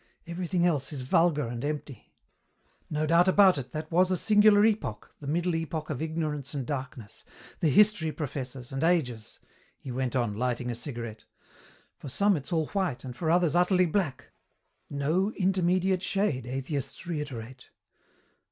Everything else is vulgar and empty. "No doubt about it, that was a singular epoch, the Middle Epoch of ignorance and darkness, the history professors and Ages," he went on, lighting a cigarette. "For some it's all white and for others utterly black. No intermediate shade, atheists reiterate.